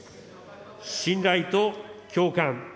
信頼と共感。